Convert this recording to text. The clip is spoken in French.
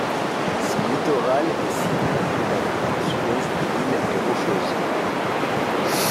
Son littoral est sinueux et la pointe sud-est de l'île est rocheuse.